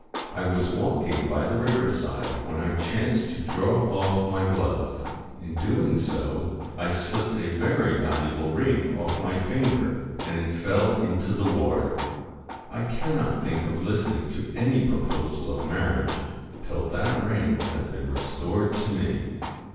I was walking by the river side, when I chanced to draw off my glove. In so doing I slipped a very valuable ring off my finger, and it fell into the water. I cannot think of listening to any proposal of marriage till that ring has been restored to me.'